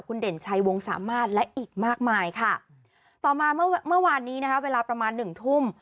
คุณเด่นชัยวงสามารถและอีกมากมายค่ะต่อมาเมื่อเมื่อวานนี้นะคะเวลาประมาณหนึ่งทุ่ม